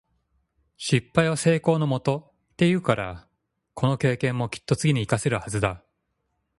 「失敗は成功のもと」って言うから、この経験もきっと次に活かせるはずだ。